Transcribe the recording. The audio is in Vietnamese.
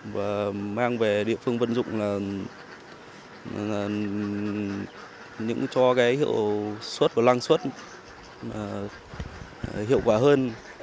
và mang về địa phương vận dụng là cho cái hiệu suất và năng suất hiệu quả hơn